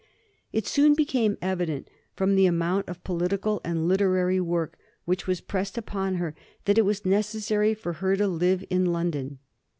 It soon became evident, from the amount of political and literary work which was pressed upon her, that it was necessary for her to live in London.